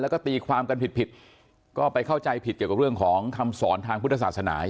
แล้วก็ตีความกันผิดผิดก็ไปเข้าใจผิดเกี่ยวกับเรื่องของคำสอนทางพุทธศาสนา